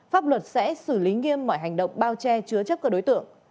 pháp luật sẽ xử lý nghiêm mọi hành động bao che chứa chấp các đối tượng